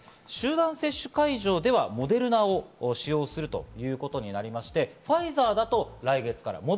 集団接種会場ではモデルナを使用するということになりまして、ファイザーだと来月から。